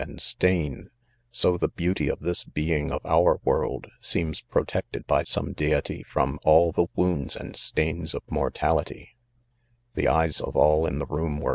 4 stain ; so the b$aiv> 2y of this r being of our world, seems protected foy some deity from all the wounds aijd stales fl»f ipcip^tajity. The eyes of all in the room weie.